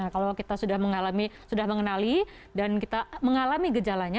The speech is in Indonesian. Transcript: kalau kita sudah mengalami sudah mengenali dan kita mengalami gejalanya